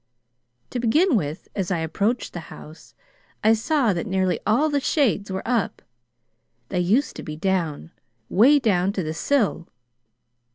"To begin with, as I approached the house, I saw that nearly all the shades were up: they used to be down 'way down to the sill.